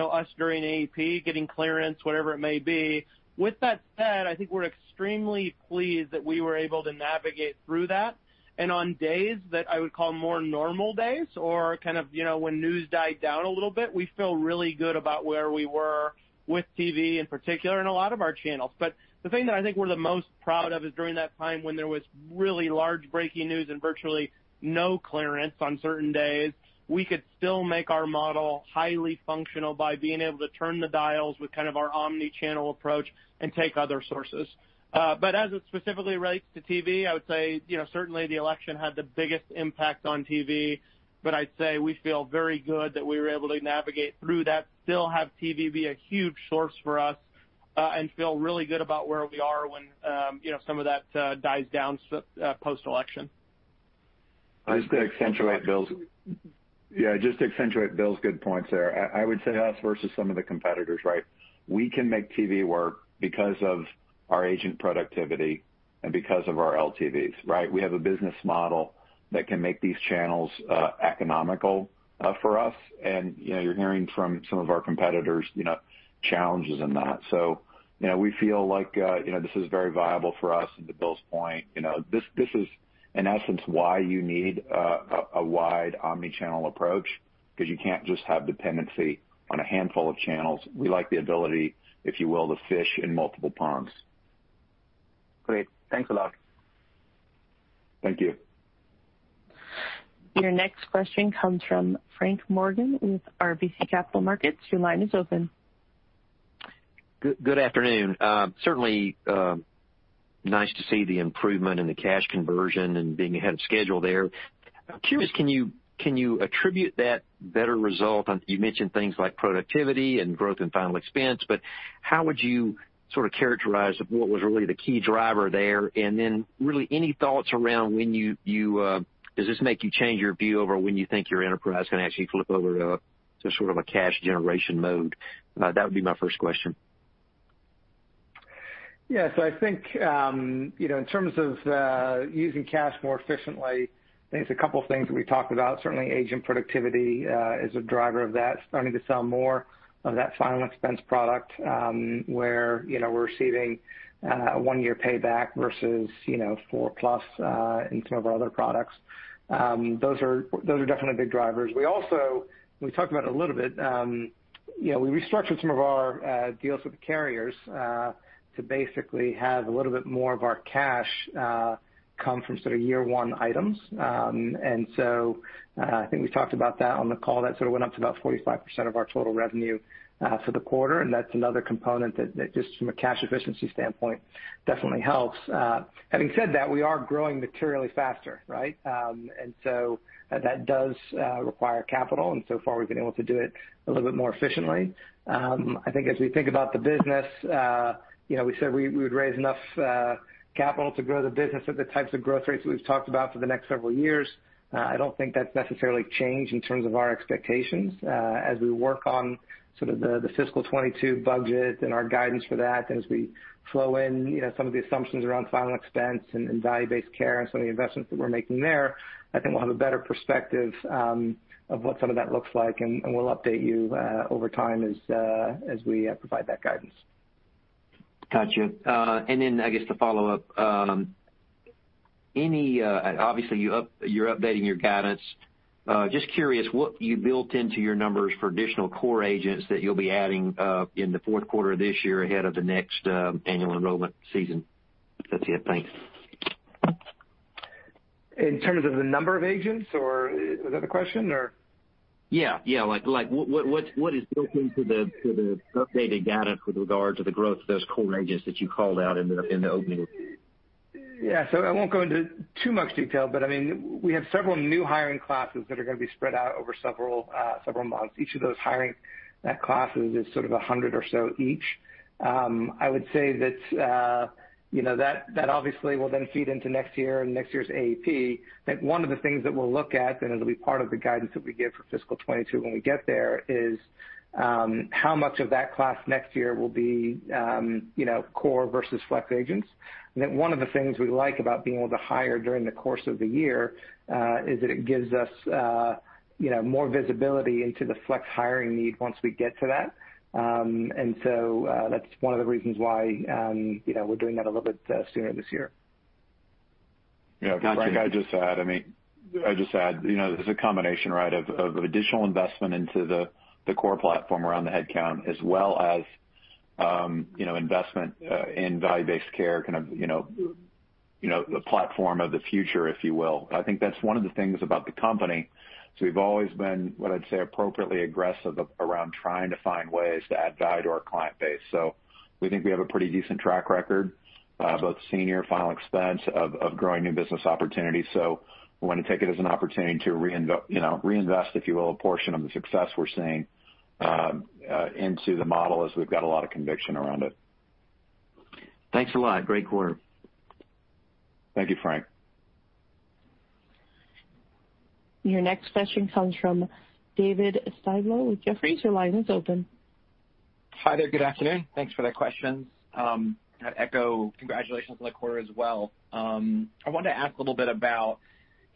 us during AEP, getting clearance, whatever it may be. With that said, I think we're extremely pleased that we were able to navigate through that. On days that I would call more normal days or kind of when news died down a little bit, we feel really good about where we were with TV in particular and a lot of our channels. The thing that I think we're the most proud of is during that time when there was really large breaking news and virtually no clearance on certain days, we could still make our model highly functional by being able to turn the dials with kind of our omni-channel approach and take other sources. As it specifically relates to TV, I would say, certainly the election had the biggest impact on TV. I'd say we feel very good that we were able to navigate through that, still have TV be a huge source for us, and feel really good about where we are when some of that dies down post-election. Just to accentuate Bill's good points there, I would say us versus some of the competitors. We can make TV work because of our agent productivity and because of our LTVs. We have a business model that can make these channels economical for us, and you're hearing from some of our competitors challenges in that. We feel like this is very viable for us. To Bill's point, this is in essence why you need a wide omni-channel approach because you can't just have dependency on a handful of channels. We like the ability, if you will, to fish in multiple ponds. Great. Thanks a lot. Thank you. Your next question comes from Frank Morgan with RBC Capital Markets. Your line is open. Good afternoon. Certainly nice to see the improvement in the cash conversion and being ahead of schedule there. I'm curious, can you attribute that better result? You mentioned things like productivity and growth in final expense, but how would you sort of characterize what was really the key driver there? Then, really, any thoughts around does this make you change your view over when you think your enterprise can actually flip over to sort of a cash generation mode? That would be my first question. Yeah. I think, in terms of using cash more efficiently, I think it's a couple things that we talked about. Certainly, agent productivity is a driver of that, starting to sell more of that final expense product, where we're receiving a one-year payback versus four-plus in some of our other products. Those are definitely big drivers. We also talked about it a little bit. We restructured some of our deals with the carriers to basically have a little bit more of our cash come from sort of year one items. I think we talked about that on the call. That sort of went up to about 45% of our total revenue for the quarter, and that's another component that just from a cash efficiency standpoint definitely helps. Having said that, we are growing materially faster. That does require capital, and so far we've been able to do it a little bit more efficiently. I think as we think about the business, we said we would raise enough capital to grow the business at the types of growth rates that we've talked about for the next several years. I don't think that's necessarily changed in terms of our expectations. As we work on sort of the fiscal 2022 budget and our guidance for that, and as we flow in some of the assumptions around final expense and value-based care and some of the investments that we're making there, I think we'll have a better perspective of what some of that looks like, and we'll update you over time as we provide that guidance. Got you. I guess to follow up, obviously, you're updating your guidance. Just curious what you built into your numbers for additional core agents that you'll be adding in the fourth quarter of this year ahead of the next Annual Enrollment Period. That's it. Thanks. In terms of the number of agents, or was that the question or? Yeah. What is built into the updated guidance with regard to the growth of those core agents that you called out in the opening? Yeah. I won't go into too much detail, but we have several new hiring classes that are going to be spread out over several months. Each of those hiring classes is sort of 100 or so each. I would say that obviously will then feed into next year and next year's AEP. I think one of the things that we'll look at, and it'll be part of the guidance that we give for fiscal 2022 when we get there, is how much of that class next year will be core versus flex agents. I think one of the things we like about being able to hire during the course of the year is that it gives us more visibility into the flex hiring need once we get to that. That's one of the reasons why we're doing that a little bit sooner this year. Yeah. Frank, I'd just add, there's a combination of additional investment into the core platform around the headcount as well as investment in value-based care, kind of the platform of the future, if you will. I think that's one of the things about the company, is we've always been, what I'd say, appropriately aggressive around trying to find ways to add value to our client base. We think we have a pretty decent track record of both senior and final expense of growing new business opportunities. We want to take it as an opportunity to reinvest, if you will, a portion of the success we're seeing into the model as we've got a lot of conviction around it. Thanks a lot. Great quarter. Thank you, Frank. Your next question comes from David Styblo with Jefferies. Your line is open. Hi there. Good afternoon. Thanks for the questions. I echo congratulations on the quarter as well. I wanted to ask a little bit about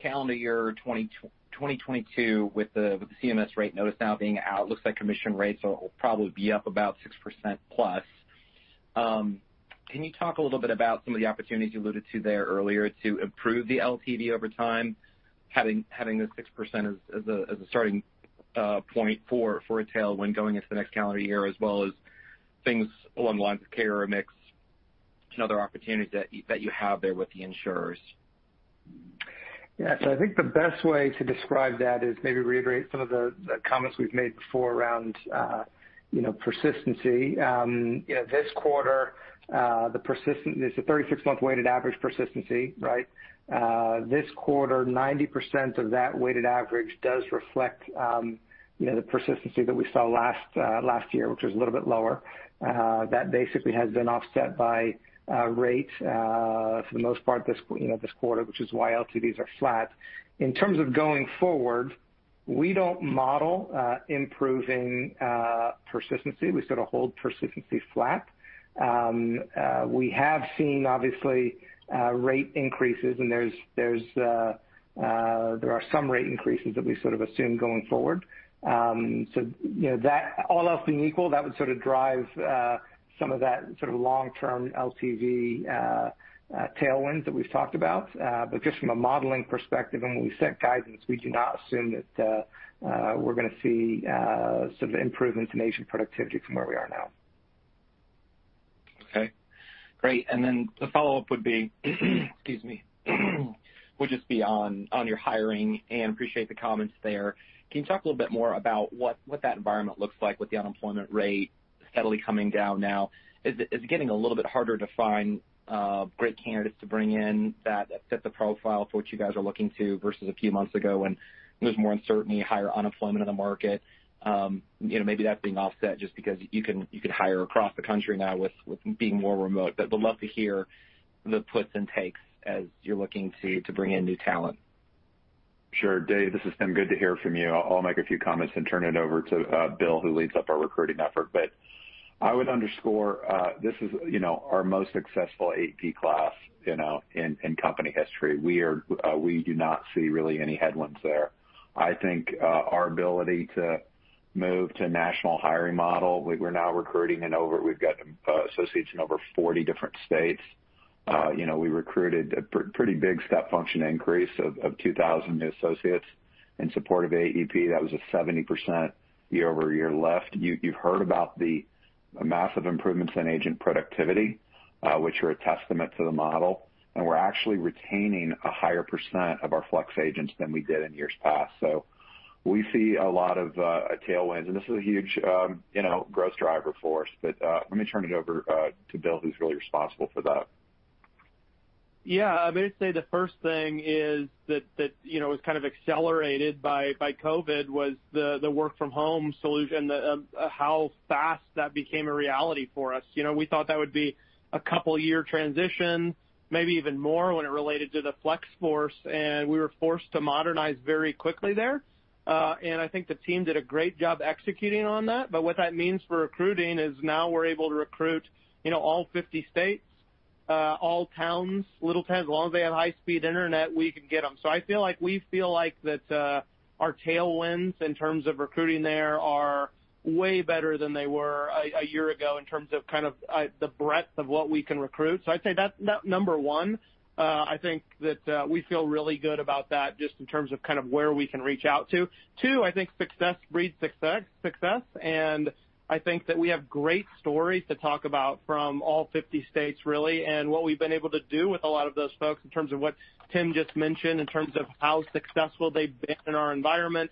calendar year 2022 with the CMS rate notice now being out. It looks like commission rates will probably be up about 6%-plus. Can you talk a little bit about some of the opportunities you alluded to there earlier to improve the LTV over time, having the 6% as a starting point for a tailwind going into the next calendar year, as well as things along the lines of carrier mix and other opportunities that you have there with the insurers? Yeah. I think the best way to describe that is maybe reiterate some of the comments we've made before around persistency. There's a 36-month weighted average persistency, right? This quarter, 90% of that weighted average does reflect the persistency that we saw last year, which was a little bit lower. That basically has been offset by rates for the most part this quarter, which is why LTVs are flat. In terms of going forward, we don't model improving persistency. We sort of hold persistency flat. We have seen, obviously, rate increases, and there are some rate increases that we sort of assume going forward. All else being equal, that would sort of drive some of that long-term LTV tailwinds that we've talked about. Just from a modeling perspective, and when we set guidance, we do not assume that we're going to see sort of improvements in agent productivity from where we are now. Okay, great. The follow-up would just be on your hiring. Appreciate the comments there. Can you talk a little bit more about what that environment looks like with the unemployment rate steadily coming down now? Is it getting a little bit harder to find great candidates to bring in that fit the profile for what you guys are looking to versus a few months ago, when there was more uncertainty, higher unemployment in the market? Maybe that's being offset just because you could hire across the country now with being more remote. Love to hear the puts and takes as you're looking to bring in new talent. Sure. David, this is Tim. Good to hear from you. I'll make a few comments and turn it over to Bill, who leads up our recruiting effort. I would underscore, this is our most successful AEP class in company history. We do not see really any headwinds there. I think our ability to move to a national hiring model, we've got associates in over 40 different states. We recruited a pretty big step function increase of 2,000 new associates in support of AEP. That was a 70% year-over-year lift. You've heard about the massive improvements in agent productivity, which are a testament to the model, and we're actually retaining a higher percent of our flex agents than we did in years past. We see a lot of tailwinds, and this is a huge growth driver for us. Let me turn it over to Bill, who's really responsible for that. Yeah. I would say the first thing is that was kind of accelerated by COVID was the work-from-home solution, how fast that became a reality for us. We thought that would be a couple of year transition, maybe even more when it related to the flex force, and we were forced to modernize very quickly there. I think the team did a great job executing on that. What that means for recruiting is now we're able to recruit all 50 states, all towns, little towns. As long as they have high-speed internet, we can get them. I feel like we feel like that our tailwinds in terms of recruiting there are way better than they were a year ago in terms of kind of the breadth of what we can recruit. I'd say that's number one. I think that we feel really good about that just in terms of kind of where we can reach out to. Two, I think success breeds success, and I think that we have great stories to talk about from all 50 states, really, and what we've been able to do with a lot of those folks in terms of what Tim just mentioned, in terms of how successful they've been in our environment,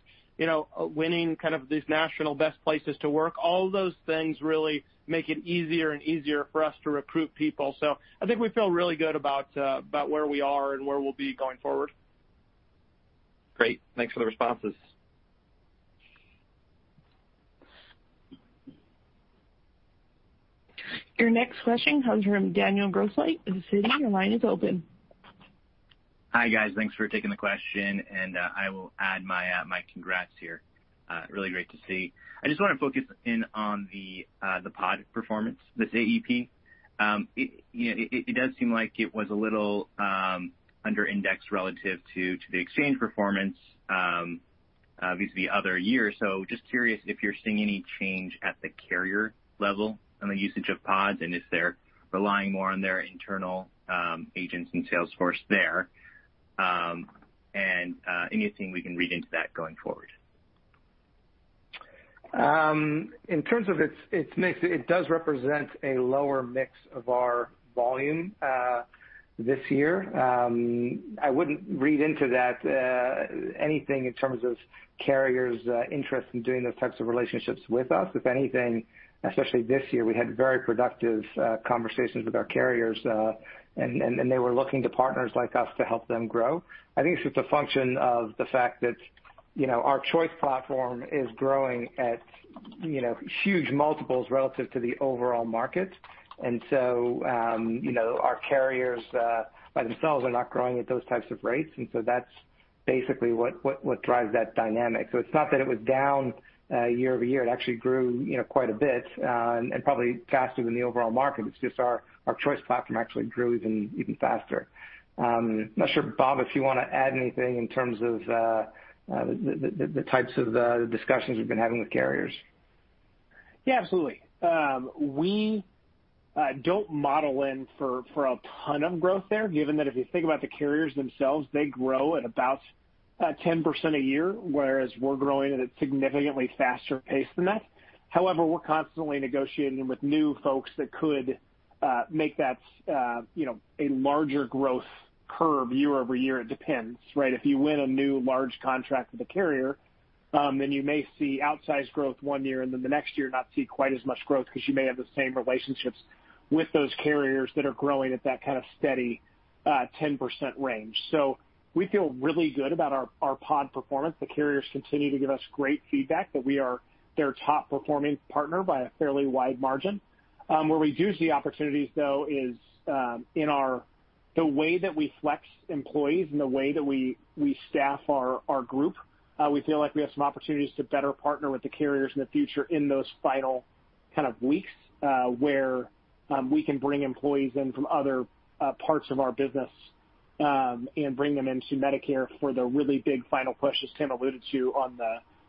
winning kind of these national best places to work. All those things really make it easier and easier for us to recruit people. I think we feel really good about where we are and where we'll be going forward. Great. Thanks for the responses. Your next question comes from Daniel Grosslight with Citi. Your line is open. Hi, guys. Thanks for taking the question. I will add my congrats here. Really great to see. I just want to focus in on the pod performance, this AEP. It does seem like it was a little under-indexed relative to the exchange performance the other year. Just curious if you're seeing any change at the carrier level on the usage of pods and if they're relying more on their internal agents and sales force there, and anything we can read into that going forward. In terms of its mix, it does represent a lower mix of our volume this year. I wouldn't read into that, anything in terms of carriers' interest in doing those types of relationships with us. If anything, especially this year, we had very productive conversations with our carriers, and they were looking to partners like us to help them grow. I think it's just a function of the fact that our choice platform is growing at huge multiples relative to the overall market. Our carriers by themselves are not growing at those types of rates. That's basically what drives that dynamic. It's not that it was down year-over-year, it actually grew quite a bit, and probably faster than the overall market. It's just our choice platform actually grew even faster. I'm not sure, Bob, if you want to add anything in terms of the types of discussions we've been having with carriers. Yeah, absolutely. We don't model in for a ton of growth there, given that if you think about the carriers themselves, they grow at about 10% a year, whereas we're growing at a significantly faster pace than that. However, we're constantly negotiating with new folks that could make that a larger growth curve year-over-year. It depends, right? If you win a new large contract with a carrier, then you may see outsized growth one year and then the next year not see quite as much growth because you may have the same relationships with those carriers that are growing at that kind of steady 10% range. We feel really good about our pod performance. The carriers continue to give us great feedback that we are their top-performing partner by a fairly wide margin. Where we do see opportunities, though, is in the way that we flex employees and the way that we staff our group. We feel like we have some opportunities to better partner with the carriers in the future in those final kind of weeks, where we can bring employees in from other parts of our business, and bring them into Medicare for the really big final push, as Tim alluded to on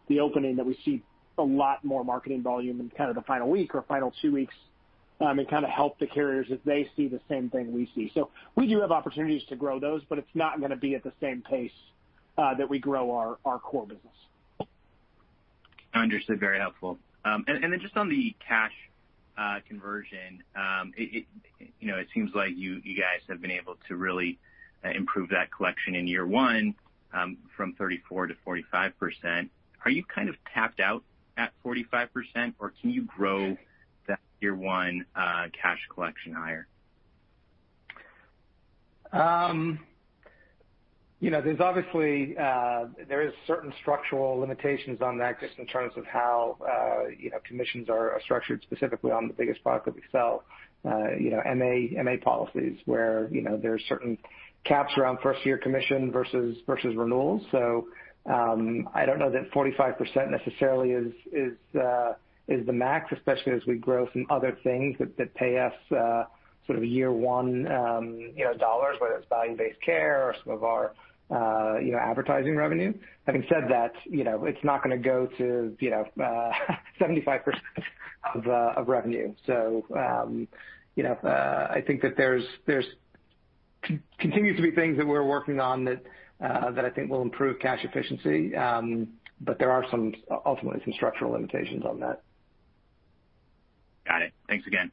the opening, that we see a lot more marketing volume in kind of the final week or final two weeks, and kind of help the carriers as they see the same thing we see. We do have opportunities to grow those, but it's not going to be at the same pace that we grow our core business. Understood. Very helpful. Just on the cash conversion, it seems like you guys have been able to really improve that collection in year one from 34%-45%. Are you kind of tapped out at 45%, or can you grow that year one cash collection higher? There's obviously certain structural limitations on that, just in terms of how commissions are structured, specifically on the biggest product that we sell, MA policies, where there are certain caps around first-year commission versus renewals. I don't know that 45% necessarily is the max, especially as we grow some other things that pay us sort of year one dollars, whether it's value-based care or some of our advertising revenue. Having said that, it's not going to go to 75% of revenue. I think that there continue to be things that we're working on that I think will improve cash efficiency. There are ultimately some structural limitations on that. Got it. Thanks again.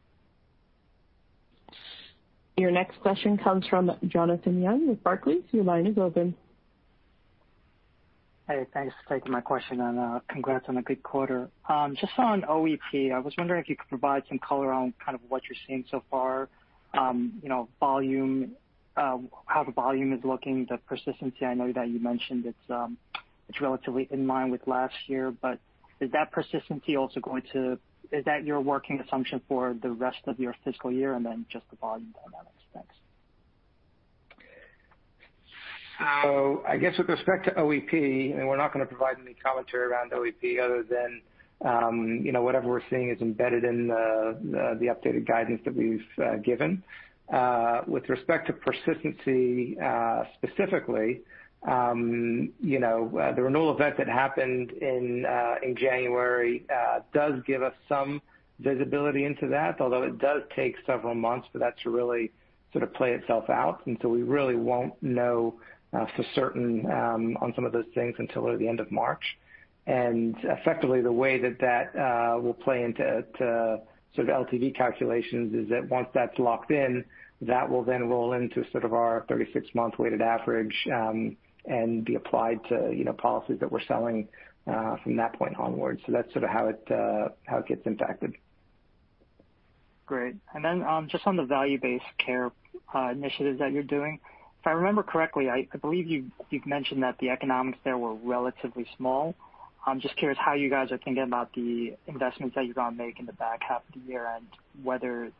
Your next question comes from Jonathan Young with Barclays. Your line is open. Hey, thanks for taking my question, and congrats on a good quarter. Just on OEP, I was wondering if you could provide some color on kind of what you're seeing so far, how the volume is looking, the persistency. I know that you mentioned it's relatively in line with last year, but is that persistency also your working assumption for the rest of your fiscal year? Just the volume dynamics. Thanks. I guess with respect to OEP, we're not going to provide any commentary around OEP other than whatever we're seeing is embedded in the updated guidance that we've given. With respect to persistency, specifically, the renewal event that happened in January does give us some visibility into that, although it does take several months for that to really sort of play itself out. We really won't know for certain on some of those things until the end of March. Effectively, the way that will play into sort of LTV calculations is that once that's locked in, that will then roll into sort of our 36-month weighted average, and be applied to policies that we're selling from that point onwards. That's sort of how it gets impacted. Great. Just on the value-based care initiatives that you're doing, if I remember correctly, I believe you've mentioned that the economics there were relatively small. I'm just curious how you guys are thinking about the investments that you're going to make in the back half of the year and whether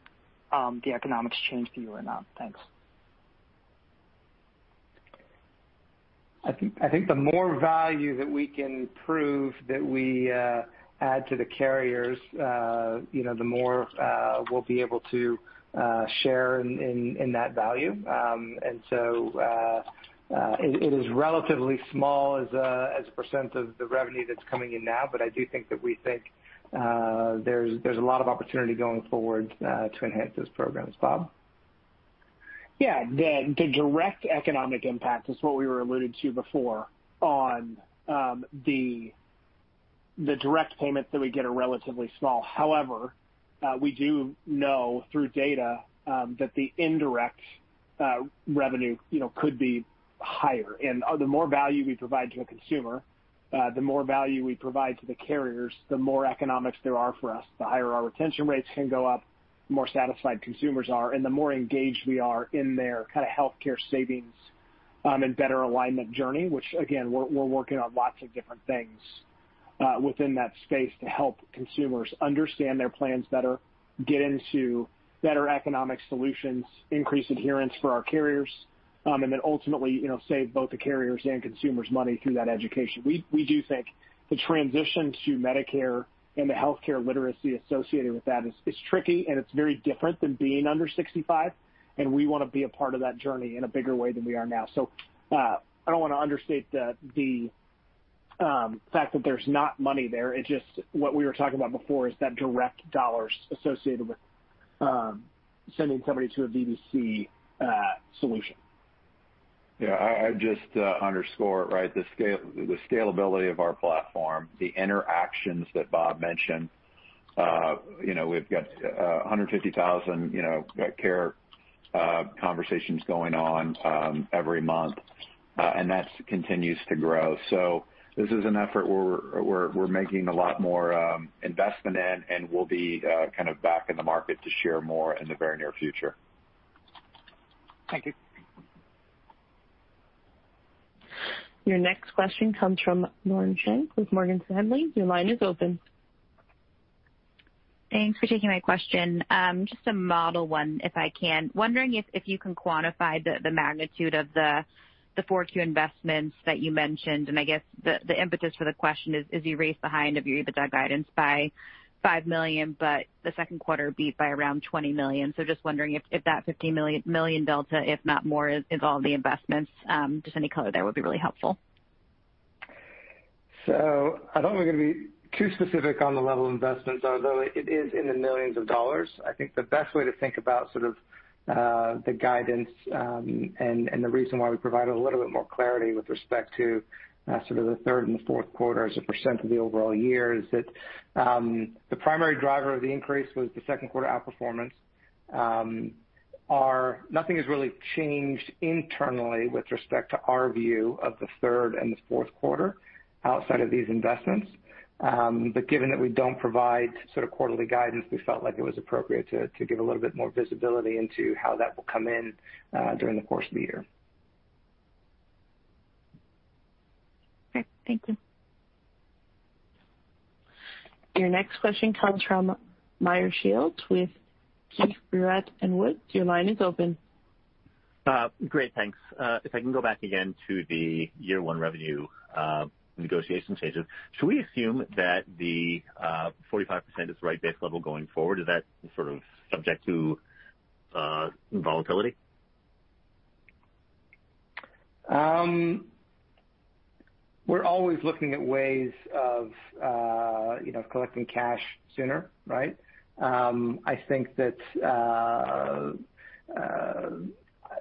the economics change for you or not. Thanks. I think the more value that we can prove that we add to the carriers, the more we'll be able to share in that value. It is relatively small as a percent of the revenue that's coming in now, but I do think that we think there's a lot of opportunity going forward to enhance those programs. Bob? Yeah. The direct economic impact is what we were alluding to before on the direct payments that we get are relatively small. However, we do know through data that the indirect revenue could be higher. The more value we provide to a consumer, the more value we provide to the carriers, the more economics there are for us, the higher our retention rates can go up, the more satisfied consumers are, and the more engaged we are in their kind of healthcare savings and better alignment journey, which again, we're working on lots of different things within that space to help consumers understand their plans better, get into better economic solutions, increase adherence for our carriers, and then ultimately save both the carriers and consumers money through that education. We do think the transition to Medicare and the healthcare literacy associated with that is tricky, and it's very different than being under 65, and we want to be a part of that journey in a bigger way than we are now. I don't want to understate the fact that there's not money there. It's just what we were talking about before is that direct dollars associated with sending somebody to a VBC solution. Yeah. I just underscore it, right, the scalability of our platform, the interactions that Bob mentioned. We've got 150,000 care conversations going on every month. That continues to grow. This is an effort where we're making a lot more investment in, and we'll be kind of back in the market to share more in the very near future. Thank you. Your next question comes from Lauren Schenk with Morgan Stanley. Your line is open. Thanks for taking my question. Just a model one, if I can. Wondering if you can quantify the magnitude of the four key investments that you mentioned, and I guess the impetus for the question is, as you raised the high end of your EBITDA guidance by $5 million, but the second quarter beat by around $20 million. Just wondering if that $15 million delta, if not more, is all the investments. Just any color there would be really helpful. I don't want to be too specific on the level of investments, although it is in the millions of dollars. I think the best way to think about sort of the guidance, and the reason why we provided a little bit more clarity with respect to sort of the third and the fourth quarter as a percent of the overall year, is that the primary driver of the increase was the second quarter outperformance. Nothing has really changed internally with respect to our view of the third and the fourth quarter outside of these investments. Given that we don't provide sort of quarterly guidance, we felt like it was appropriate to give a little bit more visibility into how that will come in during the course of the year. Okay. Thank you. Your next question comes from Meyer Shields with KBW. Your line is open. Great, thanks. If I can go back again to the year-one revenue negotiation stages, should we assume that the 45% is the right base level going forward? Is that sort of subject to volatility? We're always looking at ways of collecting cash sooner, right? I think that,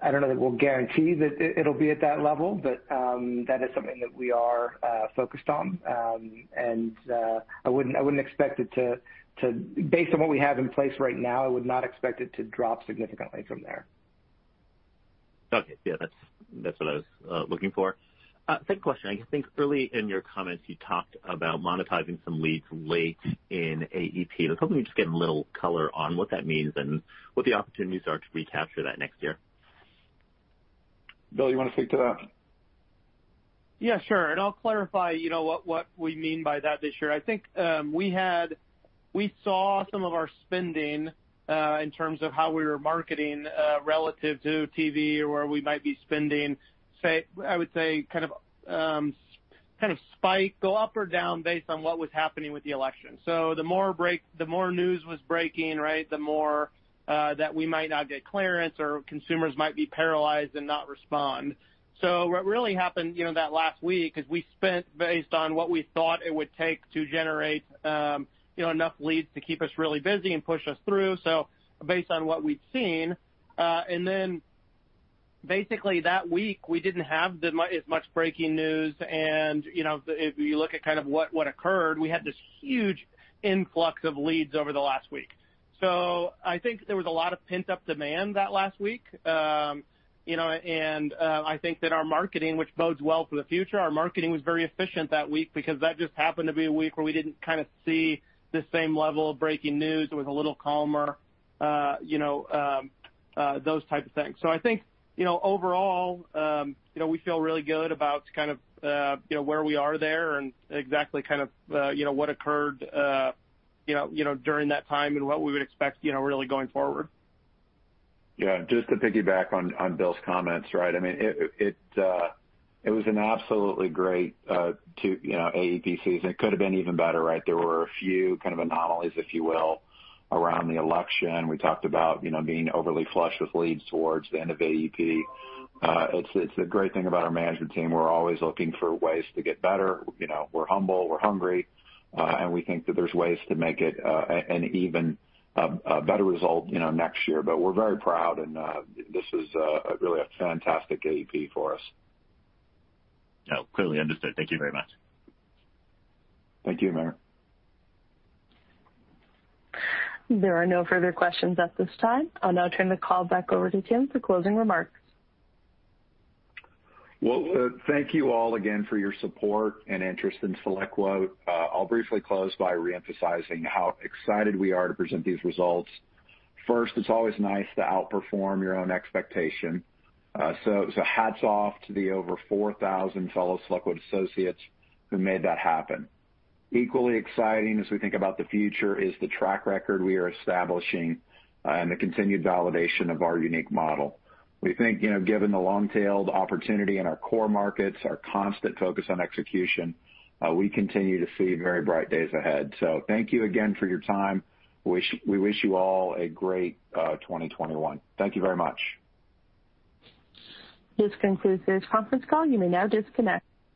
I don't know that we'll guarantee that it'll be at that level, but that is something that we are focused on. I wouldn't expect it to, based on what we have in place right now, I would not expect it to drop significantly from there. Okay. Yeah, that's what I was looking for. Second question, I think early in your comments you talked about monetizing some leads late in AEP. I was hoping to just get a little color on what that means and what the opportunities are to recapture that next year. Bill, you want to speak to that? Yeah, sure. I'll clarify what we mean by that this year. I think we saw some of our spending, in terms of how we were marketing relative to TV or where we might be spending, I would say kind of spike go up or down based on what was happening with the election. The more news was breaking, the more that we might not get clearance or consumers might be paralyzed and not respond. What really happened, that last week, is we spent based on what we thought it would take to generate enough leads to keep us really busy and push us through. Based on what we'd seen, basically that week, we didn't have as much breaking news, and if you look at kind of what occurred, we had this huge influx of leads over the last week. I think there was a lot of pent-up demand that last week. I think that our marketing, which bodes well for the future, our marketing was very efficient that week because that just happened to be a week where we didn't kind of see the same level of breaking news. It was a little calmer, those type of things. I think, overall, we feel really good about kind of where we are there and exactly kind of what occurred during that time and what we would expect really going forward. Just to piggyback on Bill's comments. It was an absolutely great AEP season. It could've been even better. There were a few kind of anomalies, if you will, around the election. We talked about being overly flushed with leads towards the end of AEP. It's the great thing about our management team, we're always looking for ways to get better. We're humble, we're hungry, and we think that there's ways to make it an even better result next year. We're very proud, and this is really a fantastic AEP for us. Yeah, clearly understood. Thank you very much. Thank you, Meyer. There are no further questions at this time. I'll now turn the call back over to Tim for closing remarks. Well, thank you all again for your support and interest in SelectQuote. I'll briefly close by re-emphasizing how excited we are to present these results. First, it's always nice to outperform your own expectation. Hats off to the over 4,000 fellow SelectQuote associates who made that happen. Equally exciting as we think about the future is the track record we are establishing and the continued validation of our unique model. We think, given the long-tailed opportunity in our core market. Our constant focus on execution, we continue to see very bright days ahead. Thank you again for your time. We wish you all a great 2021. Thank you very much. This concludes this conference call. You may now disconnect.